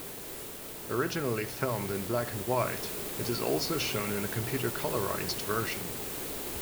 Originally filmed in black-and-white, it is also shown in a computer-colorized version.